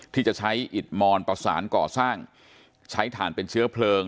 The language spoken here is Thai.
ที่จะใช้อิดมอนประสานก่อสร้างใช้ฐานเป็นเชื้อเพลิง